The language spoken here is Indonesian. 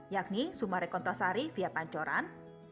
yakni sumarekon tasari via pancoran